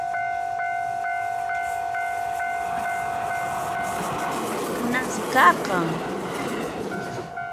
Chay mikhunakunaqa llapan runaq mikhunansi karqan.